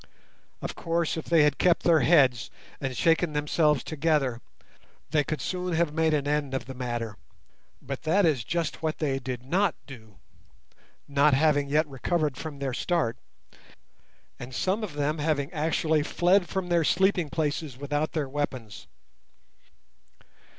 Of course if they had kept their heads, and shaken themselves together, they could soon have made an end of the matter; but that is just what they did not do, not having yet recovered from their start, and some of them having actually fled from their sleeping places without their weapons.